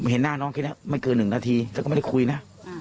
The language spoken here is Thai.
เห็นหน้าน้องแค่นี้ไม่เกิน๑นาทีแล้วก็ไม่ได้คุยนะ